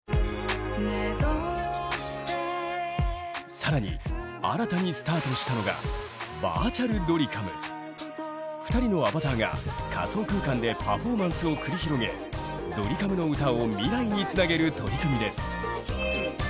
さらに新たにスタートしたのが２人のアバターが仮想空間でパフォーマンスを繰り広げドリカムの歌を未来につなげる取り組みです。